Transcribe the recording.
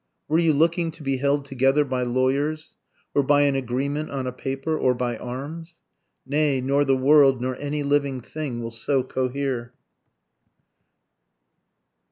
(Were you looking to be held together by lawyers? Or by an agreement on a paper? or by arms? Nay, nor the world, nor any living thing, will so cohere.)